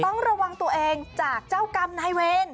ต้องระวังตัวเองจากเจ้ากรรมนายเวร